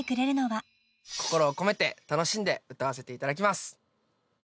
心を込めて楽しんで歌わせていただきます。